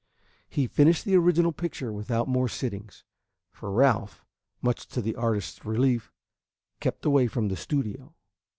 He finished the original picture without more sittings, for Ralph, much to the artist's relief, kept away from the studio.